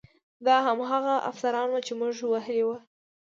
دا هماغه افسران وو چې موږ وهلي وو